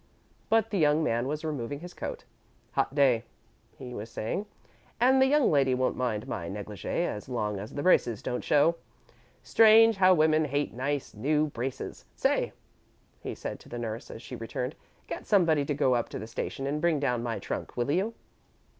But the young man was removing his coat. "Hot day," he was saying, "and the young lady won't mind my negligee as long as the braces don't show. Strange how women hate nice new braces. Say," he said to the nurse as she returned, "get somebody to go up to the station and bring down my trunk, will you?"